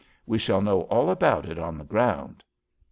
We shall know all about it on the ground."